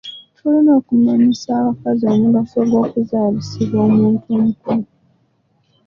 Tulina okumanyisa abakazi omugaso ogw'okuzaalisibwa omuntu omukugu.